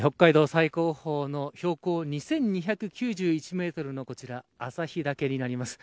最高峰の標高２２９１メートルのこちら旭岳になります。